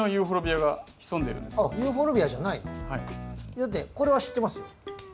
だってこれは知ってますよ。